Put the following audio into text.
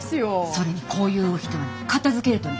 それにこういうお人は片づけるとね